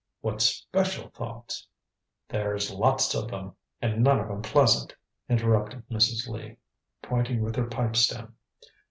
What special thoughts ?" "There's lots of 'em, and none of 'em pleasant," interrupted Mrs. Lee, pointing with her pipe stem.